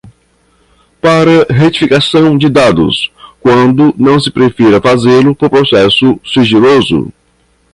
para a retificação de dados, quando não se prefira fazê-lo por processo sigiloso